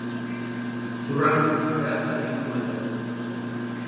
Su rango era Sargento Mayor.